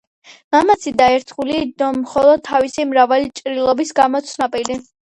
მამაცი და ერთგული და მხოლოდ თავისი მრავალი ჭრილობის გამო ცნობილი.